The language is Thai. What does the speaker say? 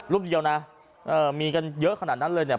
เดียวนะมีกันเยอะขนาดนั้นเลยเนี่ย